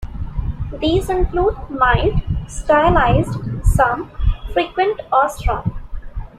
These include: "mild", "stylised", "some", "frequent" or "strong".